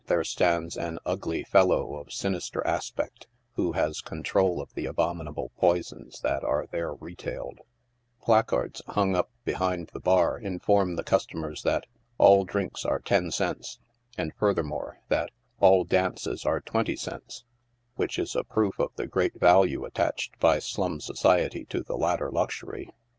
there stands an ugly fellow of sinister aspect, who has control of the abominable poisons that are there retailed Placards hu og up be hind the bar inform the customers that " all drinks are 10 cents," and, furthermore, that " all dances are 20 cents" — which, is a proof of the great value attached by slum society to the latter luxury.